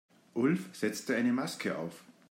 Ulf setzte eine Maske auf.